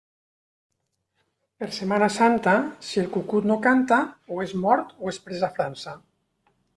Per Setmana Santa, si el cucut no canta, o és mort o és pres a França.